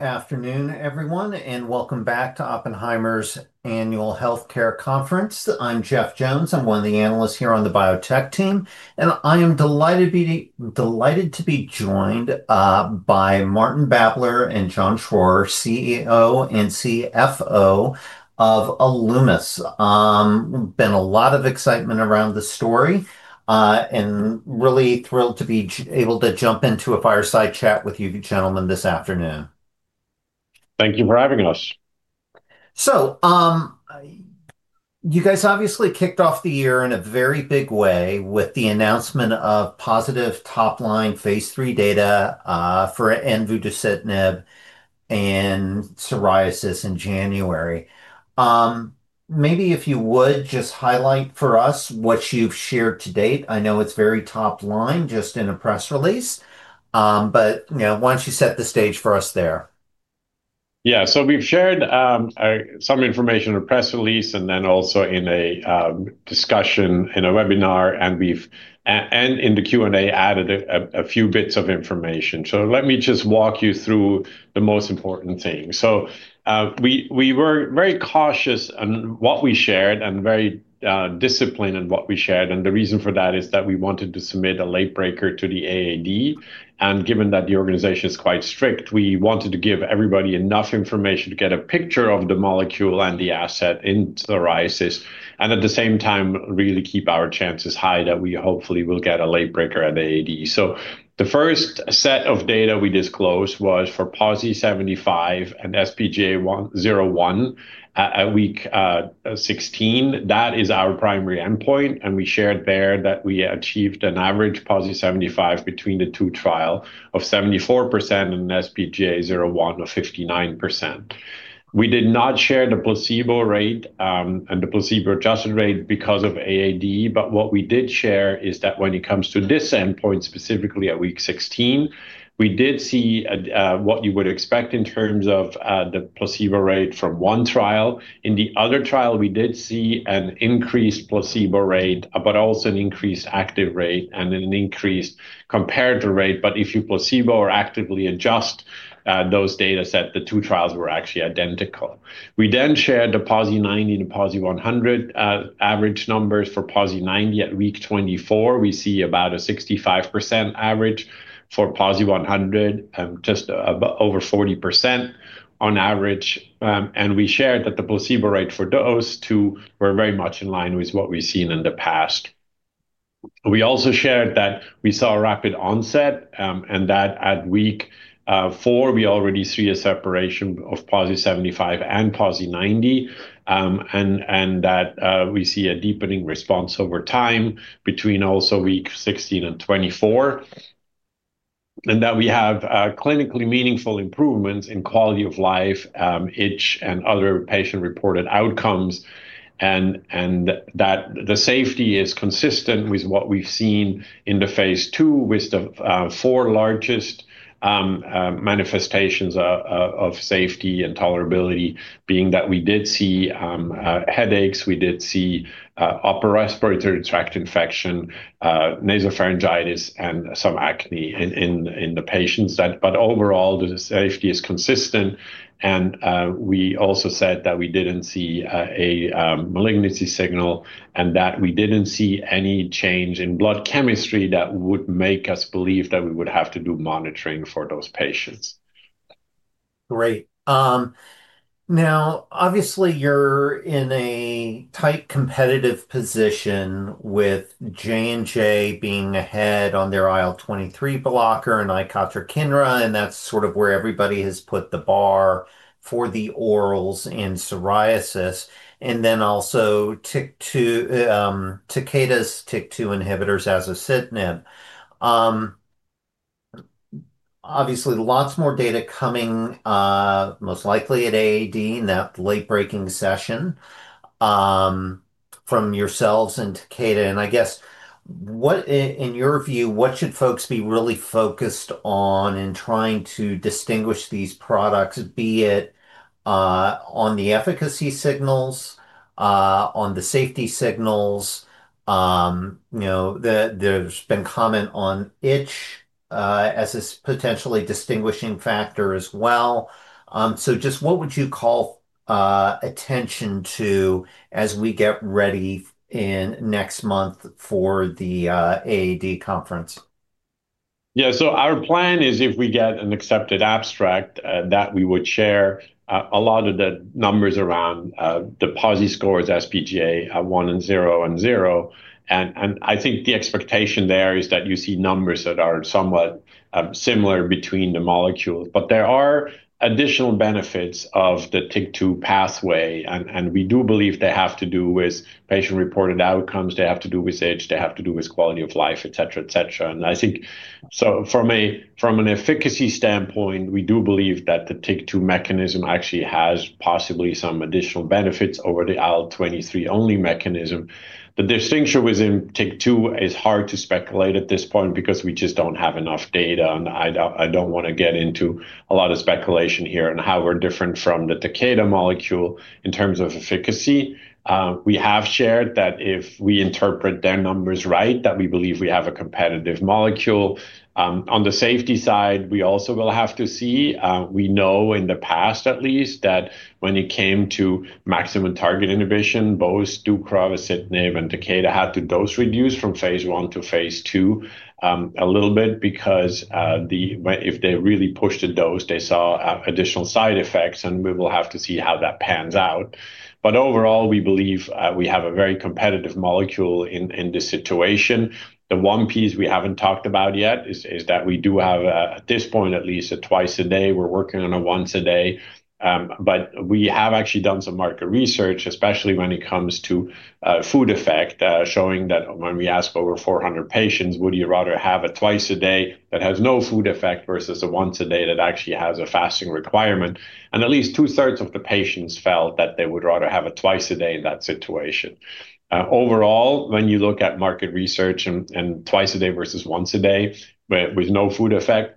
Afternoon, everyone. Welcome back to Oppenheimer's Annual Healthcare Conference. I'm Jeff Jones. I'm one of the analysts here on the biotech team. I am delighted to be joined by Martin Babler and John Schroer, CEO and CFO of Alumis. Been a lot of excitement around the story. Really thrilled to be able to jump into a fireside chat with you gentlemen this afternoon. Thank you for having us. You guys obviously kicked off the year in a very big way with the announcement of positive top line Phase 3 data for envudeucitinib in psoriasis in January. Maybe if you would just highlight for us what you've shared to date. I know it's very top line, just in a press release, you know, why don't you set the stage for us there? Yeah. We've shared some information in a press release, and then also in a discussion in a webinar, and we've and in the Q&A, added a few bits of information. Let me just walk you through the most important things. We were very cautious on what we shared and very disciplined in what we shared, and the reason for that is that we wanted to submit a late breaker to the AAD. Given that the organization is quite strict, we wanted to give everybody enough information to get a picture of the molecule and the asset in psoriasis, and at the same time, really keep our chances high that we hopefully will get a late breaker at the AAD. The first set of data we disclosed was for PASI 75 and sPGA 0/1, at week 16. That is our primary endpoint, and we shared there that we achieved an average PASI 75 between the two trial of 74% and sPGA 0/1 of 59%. We did not share the placebo rate and the placebo-adjusted rate because of AAD. What we did share is that when it comes to this endpoint, specifically at week 16, we did see what you would expect in terms of the placebo rate from one trial. In the other trial, we did see an increased placebo rate, but also an increased active rate and an increased comparator rate. If you placebo or actively adjust those data set, the two trials were actually identical. We shared the PASI 90 and PASI 100 average numbers. For PASI 90 at week 24, we see about a 65% average. For PASI 100, just about over 40% on average. We shared that the placebo rate for those two were very much in line with what we've seen in the past. We also shared that we saw a rapid onset, and that at week 4, we already see a separation of PASI 75 and PASI 90, and that we see a deepening response over time between also week 16 and 24. That we have clinically meaningful improvements in quality of life, itch, and other patient-reported outcomes, and that the safety is consistent with what we've seen in the Phase II, with the four largest manifestations of safety and tolerability, being that we did see headaches, we did see upper respiratory tract infection, nasopharyngitis, and some acne in the patients. Overall, the safety is consistent, and we also said that we didn't see a malignancy signal, and that we didn't see any change in blood chemistry that would make us believe that we would have to do monitoring for those patients. Great. Now, obviously, you're in a tight competitive position with J&J being ahead on their IL-23 blocker and icotrokinra, and that's sort of where everybody has put the bar for the orals in psoriasis, and then also TYK2, Takeda's TYK2 inhibitors, zasocitinib. Obviously, lots more data coming, most likely at AAD in that late-breaking session, from yourselves and Takeda. I guess, what, in your view, what should folks be really focused on in trying to distinguish these products, be it, on the efficacy signals, on the safety signals? You know, there's been comment on itch, as this potentially distinguishing factor as well. Just what would you call attention to as we get ready in next month for the AAD conference? Our plan is if we get an accepted abstract, that we would share a lot of the numbers around the PASI scores, sPGA, 1 and 0, and 0. I think the expectation there is that you see numbers that are somewhat similar between the molecules. There are additional benefits of the TYK2 pathway, and we do believe they have to do with patient-reported outcomes, they have to do with age, they have to do with quality of life, et cetera, et cetera. I think, from an efficacy standpoint, we do believe that the TYK2 mechanism actually has possibly some additional benefits over the IL-23 only mechanism. The distinction within TYK2 is hard to speculate at this point because we just don't have enough data. I don't want to get into a lot of speculation here on how we're different from the Takeda molecule in terms of efficacy. We have shared that if we interpret their numbers right, that we believe we have a competitive molecule. On the safety side, we also will have to see. We know in the past at least, that when it came to maximum target inhibition, both deucravacitinib and Takeda had to dose reduce from Phase 1 to Phase 2 a little bit because if they really pushed the dose, they saw additional side effects. We will have to see how that pans out. Overall, we believe we have a very competitive molecule in this situation. The one piece we haven't talked about yet is that we do have, at this point at least, a twice a day. We're working on a once a day, but we have actually done some market research, especially when it comes to food effect, showing that when we ask over 400 patients, "Would you rather have a twice a day that has no food effect versus a once a day that actually has a fasting requirement?" At least two-thirds of the patients felt that they would rather have a twice a day in that situation. Overall, when you look at market research and twice a day versus once a day, but with no food effect,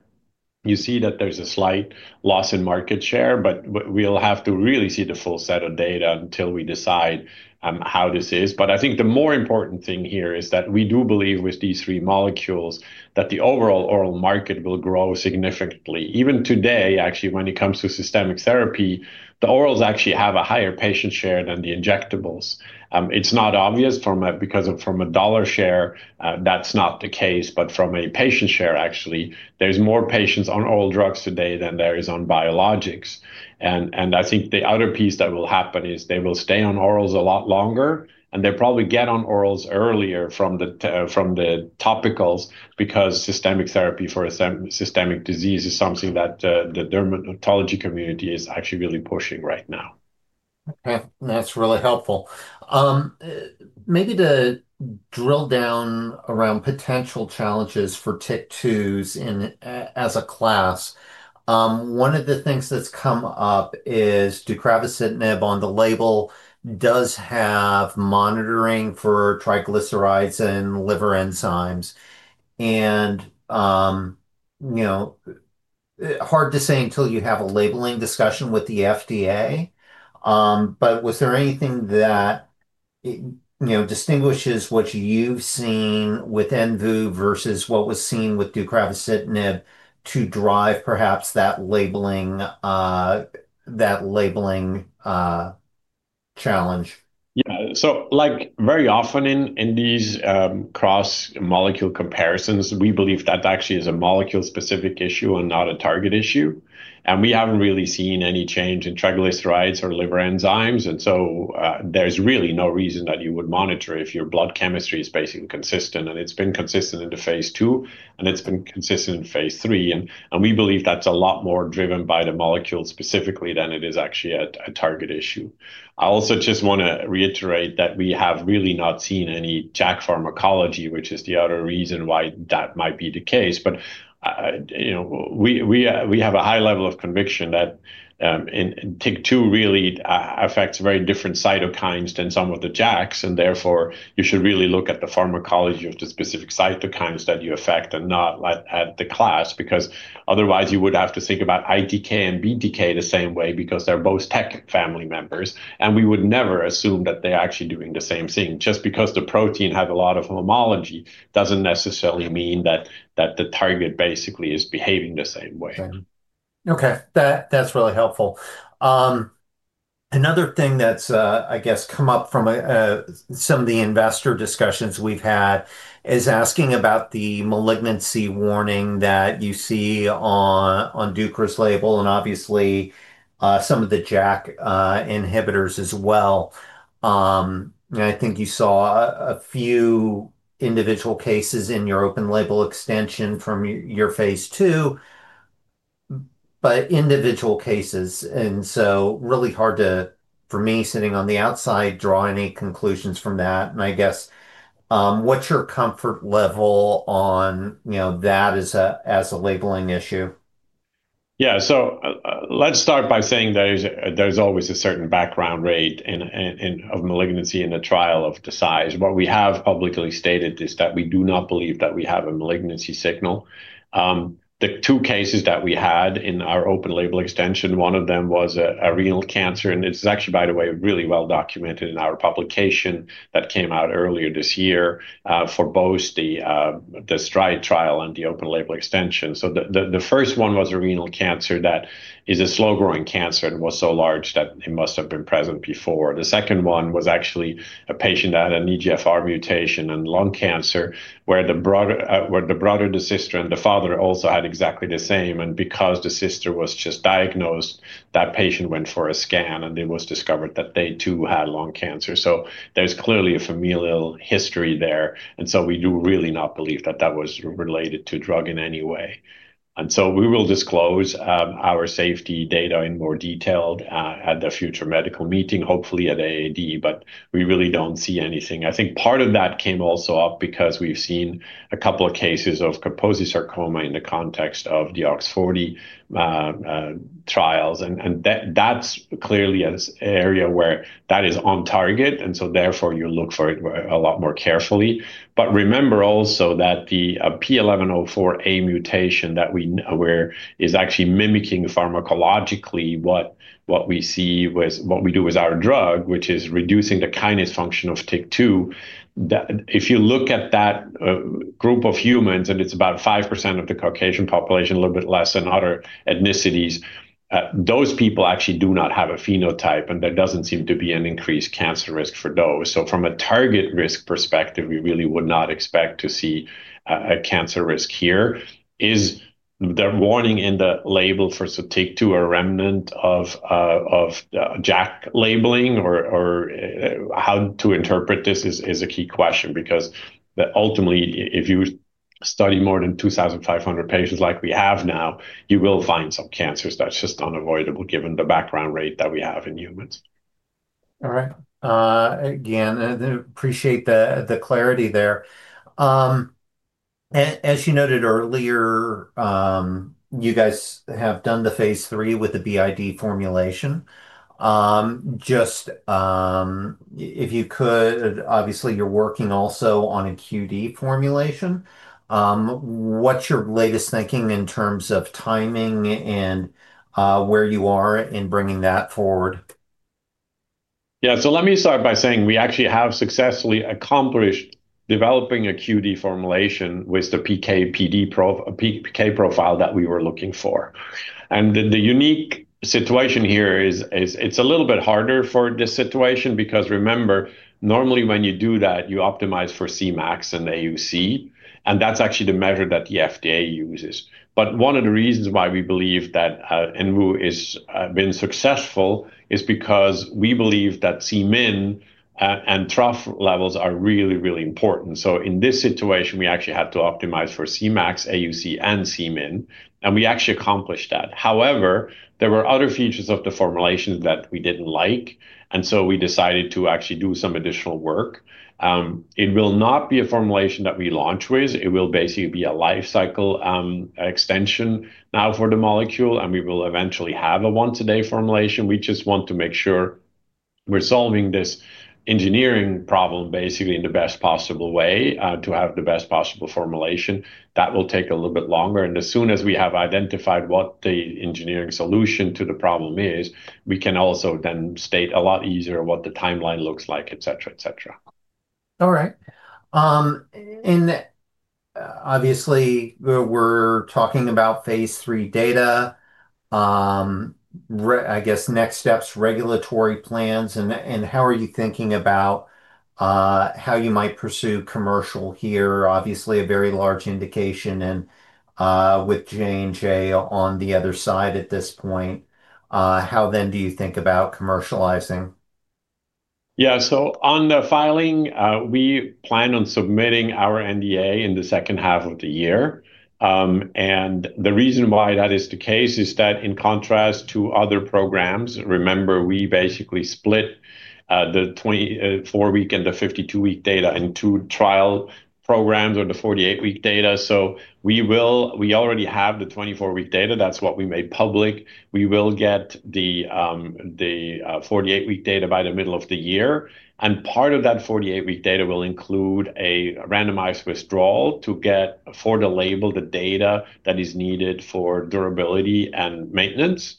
you see that there's a slight loss in market share, but we'll have to really see the full set of data until we decide how this is. I think the more important thing here is that we do believe with these 3 molecules, that the overall oral market will grow significantly. Even today, actually, when it comes to systemic therapy, the orals actually have a higher patient share than the injectables. It's not obvious because from a dollar share, that's not the case, but from a patient share, actually, there's more patients on oral drugs today than there is on biologics. I think the other piece that will happen is they will stay on orals a lot longer, and they probably get on orals earlier from the topicals, because systemic therapy for a systemic disease is something that the dermatology community is actually really pushing right now. That's really helpful. Maybe to drill down around potential challenges for TYK2s as a class, one of the things that's come up is deucravacitinib on the label does have monitoring for triglycerides and liver enzymes, and, you know, hard to say until you have a labeling discussion with the FDA. Was there anything that, you know, distinguishes what you've seen with envu versus what was seen with deucravacitinib to drive perhaps that labeling, that labeling, challenge? Yeah. Like, very often in these cross-molecule comparisons, we believe that actually is a molecule-specific issue and not a target issue. We haven't really seen any change in triglycerides or liver enzymes. There's really no reason that you would monitor if your blood chemistry is basically consistent, and it's been consistent into Phase two, and it's been consistent in Phase 3. We believe that's a lot more driven by the molecule specifically than it is actually a target issue. I also just want to reiterate that we have really not seen any JAK pharmacology, which is the other reason why that might be the case. You know, we have a high level of conviction that, and TYK2 really affects very different cytokines than some of the JAKs. Therefore, you should really look at the pharmacology of the specific cytokines that you affect and not at the class. Otherwise you would have to think about ITK and BTK the same way. They're both tech family members, and we would never assume that they're actually doing the same thing. Just because the protein have a lot of homology, doesn't necessarily mean that the target basically is behaving the same way. Okay. That's really helpful. Another thing that's, I guess, come up from some of the investor discussions we've had is asking about the malignancy warning that you see on Deucravacitinib, and obviously, some of the JAK inhibitors as well. I think you saw a few individual cases in your open-label extension from your Phase two, but individual cases, and so really hard to, for me, sitting on the outside, draw any conclusions from that. I guess, what's your comfort level on, you know, that as a, as a labeling issue? Yeah, let's start by saying there's always a certain background rate of malignancy in a trial of this size. What we have publicly stated is that we do not believe that we have a malignancy signal. The two cases that we had in our open label extension, one of them was a renal cancer, and this is actually, by the way, really well documented in our publication that came out earlier this year, for both the STRIDE trial and the open label extension. The first one was a renal cancer that is a slow-growing cancer and was so large that it must have been present before. The second one was actually a patient that had an EGFR mutation and lung cancer, where the brother, the sister, and the father also had exactly the same. Because the sister was just diagnosed, that patient went for a scan, and it was discovered that they, too, had lung cancer. There's clearly a familial history there, we do really not believe that that was related to drug in any way. We will disclose our safety data in more detail at the future medical meeting, hopefully at AAD, but we really don't see anything. I think part of that came also up because we've seen a couple of cases of Kaposi sarcoma in the context of the OX40 trials, and that's clearly an area where that is on target, and so therefore you look for it a lot more carefully. Remember also that the P1104A mutation that where is actually mimicking pharmacologically what we see with what we do with our drug, which is reducing the kinase function of TYK2, that if you look at that group of humans, and it's about 5% of the Caucasian population, a little bit less than other ethnicities, those people actually do not have a phenotype, and there doesn't seem to be an increased cancer risk for those. From a target risk perspective, we really would not expect to see a cancer risk here. Is the warning in the label for Sotyktu a remnant of JAK labeling or, how to interpret this is a key question because the ultimately, if you study more than 2,500 patients like we have now, you will find some cancers. That's just unavoidable, given the background rate that we have in humans. All right. Again, I appreciate the clarity there. As you noted earlier, you guys have done the Phase III with the BID formulation. Just if you could, obviously, you're working also on a QD formulation. What's your latest thinking in terms of timing and where you are in bringing that forward? Let me start by saying we actually have successfully accomplished developing a QD formulation with the PK/PD profile that we were looking for. The unique situation here is it's a little bit harder for this situation because remember, normally when you do that, you optimize for Cmax and AUC, and that's actually the measure that the FDA uses. One of the reasons why we believe that envu is been successful is because we believe that Cmin and trough levels are really, really important. In this situation, we actually had to optimize for Cmax, AUC, and Cmin, and we actually accomplished that. However, there were other features of the formulation that we didn't like, we decided to actually do some additional work. It will not be a formulation that we launch with. It will basically be a life cycle extension now for the molecule, and we will eventually have a once-a-day formulation. We just want to make sure we're solving this engineering problem, basically, in the best possible way to have the best possible formulation. That will take a little bit longer. As soon as we have identified what the engineering solution to the problem is, we can also then state a lot easier what the timeline looks like, et cetera, et cetera. All right. Obviously, we're talking about Phase 3 data. I guess, next steps, regulatory plans, and how are you thinking about how you might pursue commercial here? Obviously, a very large indication, and with J&J on the other side at this point, how then do you think about commercializing? On the filing, we plan on submitting our NDA in the second half of the year. The reason why that is the case is that in contrast to other programs, remember, we basically split the 24-week and the 52-week data into trial programs or the 48-week data. We already have the 24-week data. That's what we made public. We will get the 48-week data by the middle of the year, and part of that 48-week data will include a randomized withdrawal to get for the label, the data that is needed for durability and maintenance.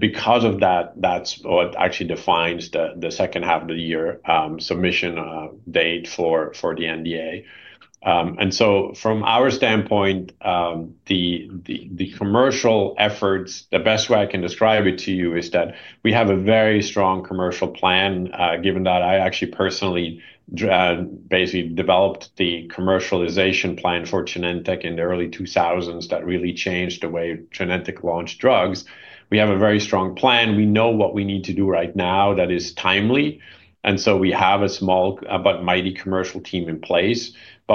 Because of that's what actually defines the second half of the year submission date for the NDA. From our standpoint, the commercial efforts, the best way I can describe it to you is that we have a very strong commercial plan, given that I actually personally basically developed the commercialization plan for Genentech in the early 2000s, that really changed the way Genentech launched drugs. We have a very strong plan. We know what we need to do right now that is timely. We have a small but mighty commercial team in place.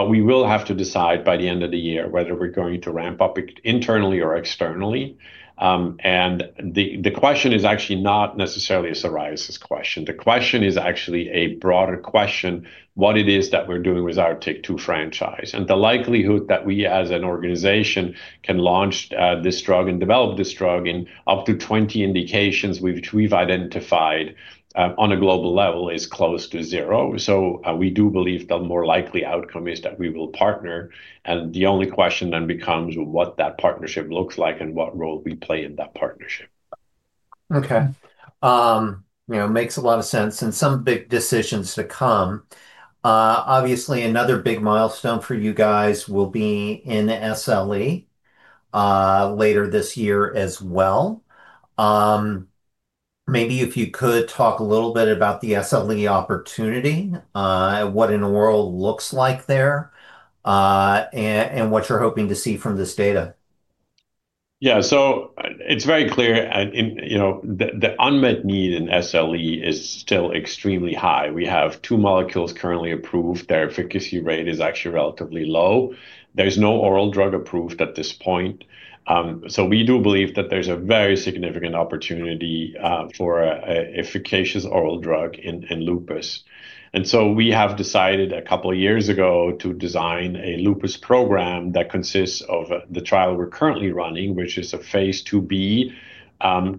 We will have to decide by the end of the year whether we're going to ramp up internally or externally. The question is actually not necessarily a psoriasis question. The question is actually a broader question, what it is that we're doing with our TYK2 franchise? The likelihood that we, as an organization, can launch this drug and develop this drug in up to 20 indications which we've identified, on a global level is close to zero. We do believe the more likely outcome is that we will partner, and the only question then becomes what that partnership looks like and what role we play in that partnership. Okay. You know, makes a lot of sense and some big decisions to come. Obviously, another big milestone for you guys will be in the SLE later this year as well. Maybe if you could talk a little bit about the SLE opportunity, what an oral looks like there, and what you're hoping to see from this data? It's very clear, and, you know, the unmet need in SLE is still extremely high. We have two molecules currently approved. Their efficacy rate is actually relatively low. There's no oral drug approved at this point. We do believe that there's a very significant opportunity for a efficacious oral drug in lupus. We have decided a couple of years ago to design a lupus program that consists of the trial we're currently running, which is a Phase 2b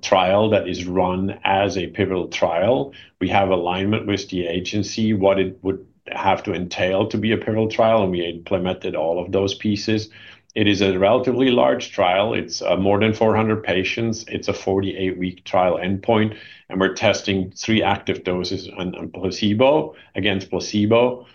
trial that is run as a pivotal trial. We have alignment with the agency, what it would have to entail to be a pivotal trial, and we implemented all of those pieces. It is a relatively large trial. It's more than 400 patients. It's a 48-week trial endpoint, we're testing 3 active doses on placebo, against placebo.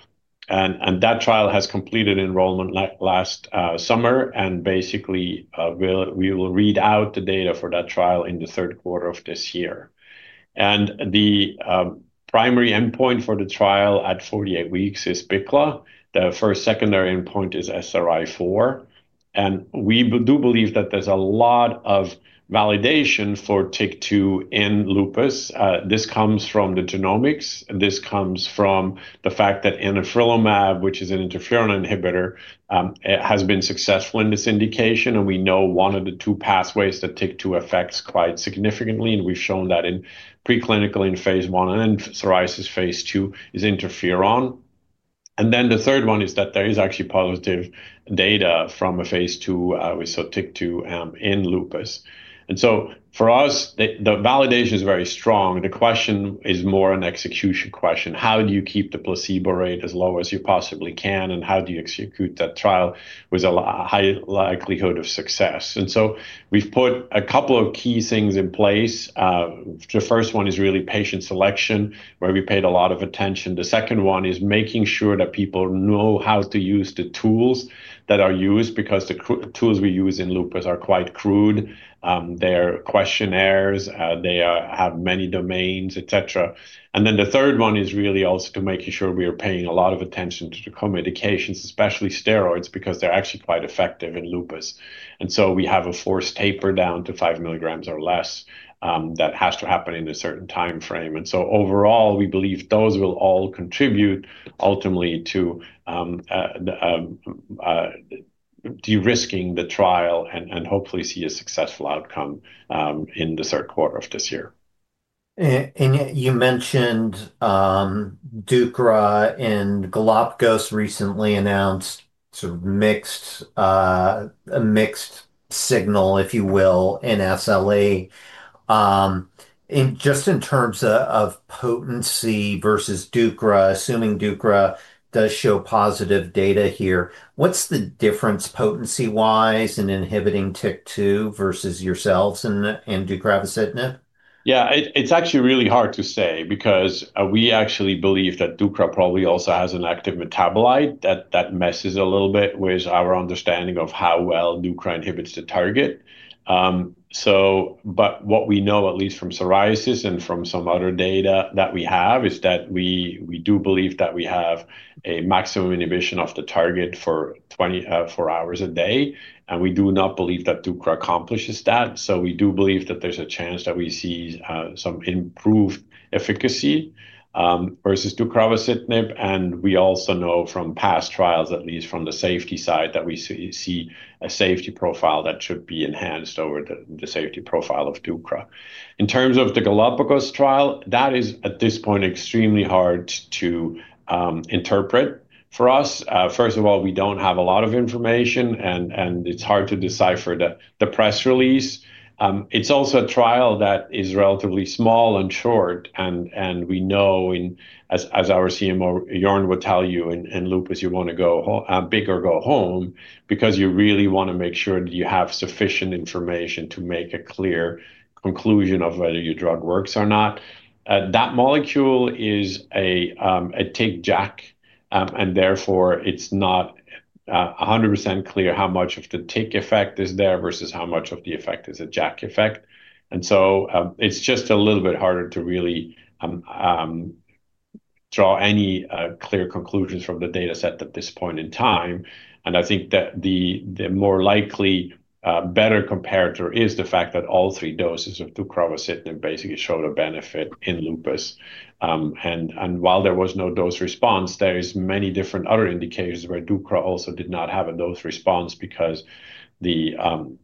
That trial has completed enrollment last summer, and basically, we will read out the data for that trial in the third quarter of this year. The primary endpoint for the trial at 48 weeks is BICLA. The first secondary endpoint is SRI-4, and we do believe that there's a lot of validation for TYK2 in lupus. This comes from the genomics, and this comes from the fact that anifrolumab, which is an interferon inhibitor, it has been successful in this indication, and we know 1 of the 2 pathways that TYK2 affects quite significantly, and we've shown that in preclinical in Phase I and in psoriasis Phase II, is interferon. The third one is that there is actually positive data from a Phase 2 with Sotyktu in lupus. For us, the validation is very strong. The question is more an execution question: How do you keep the placebo rate as low as you possibly can, and how do you execute that trial with a high likelihood of success? We've put a couple of key things in place. The first one is really patient selection, where we paid a lot of attention. The second one is making sure that people know how to use the tools that are used because the tools we use in lupus are quite crude. They're questionnaires, they have many domains, et cetera. The third one is really also to making sure we are paying a lot of attention to the co-medications, especially steroids, because they're actually quite effective in lupus. We have a forced taper down to 5 milligrams or less that has to happen in a certain time frame. Overall, we believe those will all contribute ultimately to the de-risking the trial and hopefully see a successful outcome in the third quarter of this year. You mentioned, deucravacitinib and Galapagos recently announced sort of mixed, a mixed signal, if you will, in SLE. In just in terms of potency versus deucra, assuming deucravacitinib does show positive data here, what's the difference, potency-wise, in inhibiting TYK2 versus yourselves in deucravacitinib? It's actually really hard to say because we actually believe that deucravacitinib probably also has an active metabolite that messes a little bit with our understanding of how well deucravacitinib inhibits the target. What we know, at least from psoriasis and from some other data that we have, is that we do believe that we have a maximum inhibition of the target for 24 hours a day, and we do not believe that deucravacitinib accomplishes that. We do believe that there's a chance that we see some improved efficacy versus deucravacitinib. We also know from past trials, at least from the safety side, that we see a safety profile that should be enhanced over the safety profile of deucravacitinib. In terms of the Galapagos trial, that is, at this point, extremely hard to interpret for us. First of all, we don't have a lot of information, and it's hard to decipher the press release. It's also a trial that is relatively small and short, and we know as our CMO, Jörn, would tell you, in lupus, you want to go big or go home because you really want to make sure that you have sufficient information to make a clear conclusion of whether your drug works or not. That molecule is a TYK JAK, therefore, it's not 100% clear how much of the TYK effect is there versus how much of the effect is a JAK effect. It's just a little bit harder to really draw any clear conclusions from the data set at this point in time, and I think that the more likely better comparator is the fact that all three doses of deucravacitinib basically showed a benefit in lupus. While there was no dose response, there is many different other indicators where deucravacitinib also did not have a dose response because the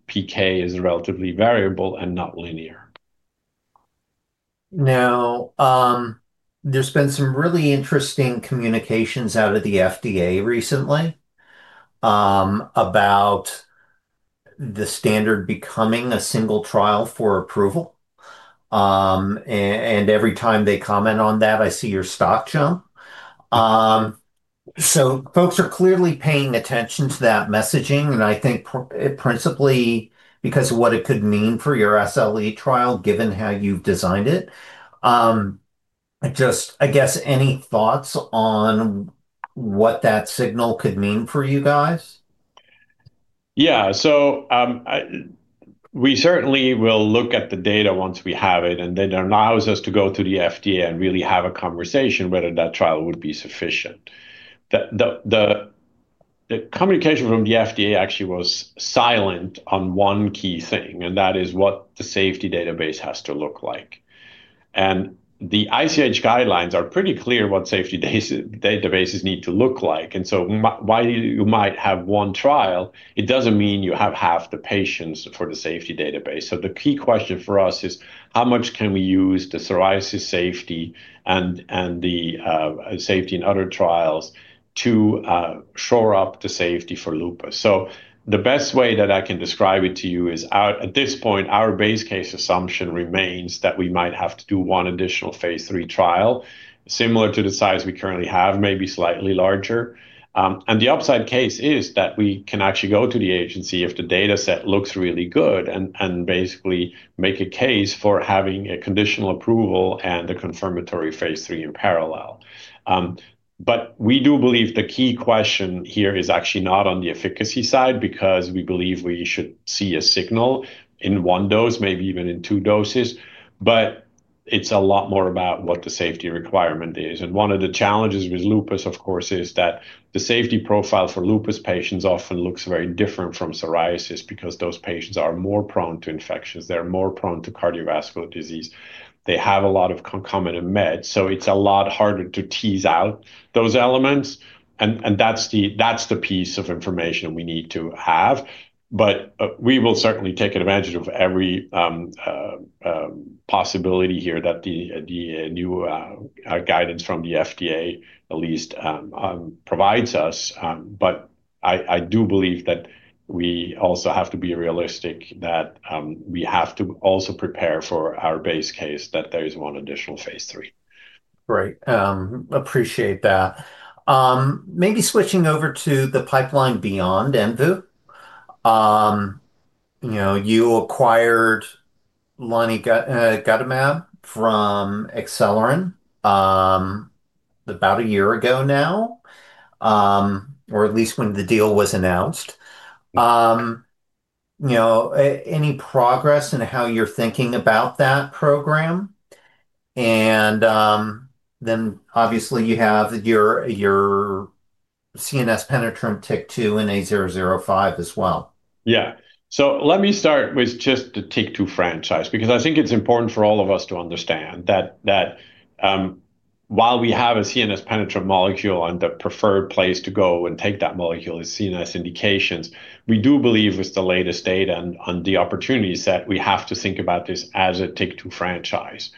PK is relatively variable and not linear. There's been some really interesting communications out of the FDA recently about the standard becoming a single trial for approval. Every time they comment on that, I see your stock jump. Folks are clearly paying attention to that messaging, and I think principally because of what it could mean for your SLE trial, given how you've designed it. Just, I guess, any thoughts on what that signal could mean for you guys? Yeah. We certainly will look at the data once we have it. It allows us to go to the FDA and really have a conversation whether that trial would be sufficient. The communication from the FDA actually was silent on one key thing, and that is what the safety database has to look like. The ICH guidelines are pretty clear what safety databases need to look like. While you might have one trial, it doesn't mean you have half the patients for the safety database. The key question for us is: how much can we use the psoriasis safety and the safety in other trials to shore up the safety for lupus? The best way that I can describe it to you is at this point, our base case assumption remains that we might have to do 1 additional Phase 3 trial, similar to the size we currently have, maybe slightly larger. And the upside case is that we can actually go to the agency if the dataset looks really good and basically make a case for having a conditional approval and a confirmatory Phase 3 in parallel. We do believe the key question here is actually not on the efficacy side, because we believe we should see a signal in 1 dose, maybe even in 2 doses, it's a lot more about what the safety requirement is. One of the challenges with lupus, of course, is that the safety profile for lupus patients often looks very different from psoriasis because those patients are more prone to infections, they're more prone to cardiovascular disease. They have a lot of concomitant meds, so it's a lot harder to tease out those elements, and that's the piece of information we need to have. We will certainly take advantage of every possibility here that the new guidance from the FDA at least provides us. I do believe that we also have to be realistic, that we have to also prepare for our base case that there is 1 additional Phase 3. Right. Appreciate that. Maybe switching over to the pipeline beyond envu. You know, you acquired lonigutamab from ACELYRIN, about a year ago now, or at least when the deal was announced. You know, any progress in how you're thinking about that program? Then obviously you have your CNS penetrant TYK2 and A-005 as well. Let me start with just the TYK2 franchise, because I think it's important for all of us to understand that while we have a CNS penetrant molecule, and the preferred place to go and take that molecule is CNS indications, we do believe with the latest data on the opportunity set, we have to think about this as a TYK2 franchise.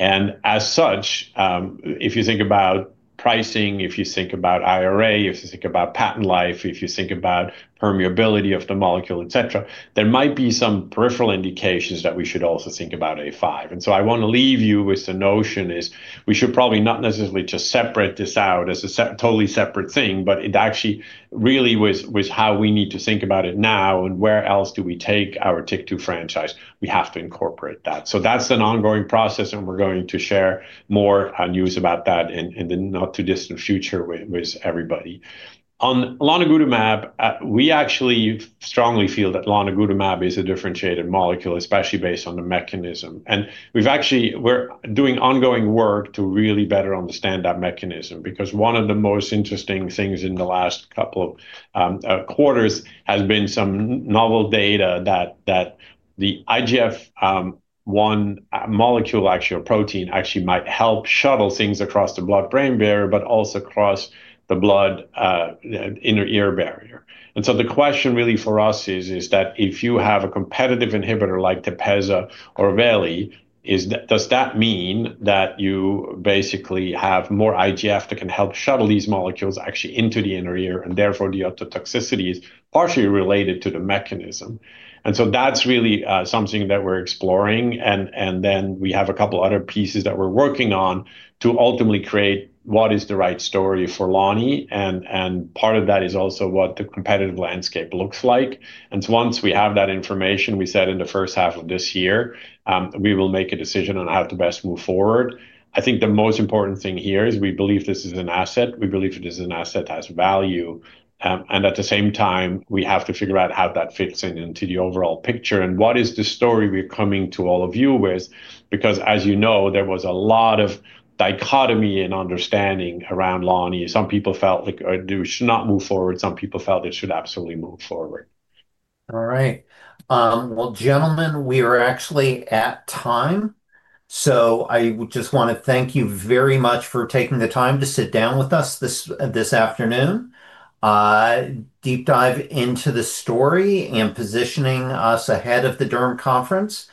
As such, if you think about pricing, if you think about IRA, if you think about patent life, if you think about permeability of the molecule, et cetera, there might be some peripheral indications that we should also think about A five. I want to leave you with the notion is, we should probably not necessarily just separate this out as a totally separate thing, but it actually really is how we need to think about it now, and where else do we take our TYK2 franchise? We have to incorporate that. That's an ongoing process, and we're going to share more news about that in the not-too-distant future with everybody. On lonigutamab, we actually strongly feel that lonigutamab is a differentiated molecule, especially based on the mechanism. We've actually... We're doing ongoing work to really better understand that mechanism, because one of the most interesting things in the last couple of quarters has been some novel data that the IGF one molecule, actually a protein, actually might help shuttle things across the blood-brain barrier, but also across the blood inner ear barrier. The question really for us is that if you have a competitive inhibitor like TEPEZZA or vrselerotug, does that mean that you basically have more IGF that can help shuttle these molecules actually into the inner ear, and therefore the ototoxicity is partially related to the mechanism? That's really something that we're exploring. Then we have a couple other pieces that we're working on to ultimately create what is the right story for lonigutamab. Part of that is also what the competitive landscape looks like. Once we have that information, we said in the first half of this year, we will make a decision on how to best move forward. I think the most important thing here is we believe this is an asset, we believe it is an asset that has value, and at the same time, we have to figure out how that fits into the overall picture and what is the story we're coming to all of you with. As you know, there was a lot of dichotomy and understanding around lonigutamab. Some people felt like, we should not move forward, some people felt it should absolutely move forward. All right. Well, gentlemen, we are actually at time, so I just want to thank you very much for taking the time to sit down with us this afternoon. Deep dive into the story and positioning us ahead of the Derm conference.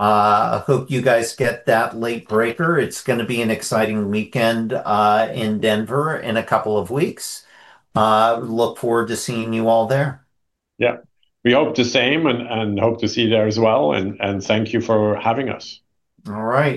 I hope you guys get that late breaker. It's gonna be an exciting weekend, in Denver in a couple of weeks. Look forward to seeing you all there. Yeah. We hope the same, and hope to see you there as well. Thank you for having us. All right.